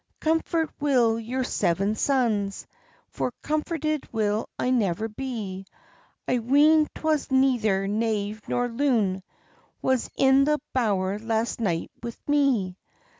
"Comfort weel your seven sons; For comforted will I never be: I ween 'twas neither knave nor loon Was in the bower last night wi' me."